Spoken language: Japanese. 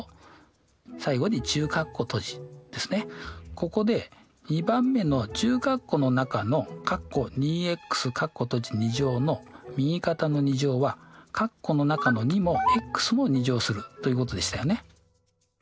ここで２番目の中括弧の中のの右肩の２乗は括弧の中の２もｘも２乗するということでしたよね。